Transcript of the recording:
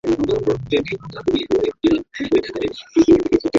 শশাঙ্কের পদলাঘবের খবরটা শশাঙ্কের স্ত্রী স্বয়ং আবিষ্কার করলে।